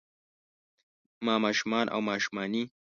ما شومان او ماشومانے